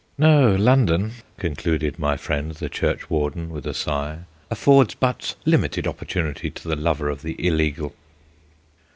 No, London," concluded my friend the churchwarden with a sigh, "affords but limited opportunity to the lover of the illegal."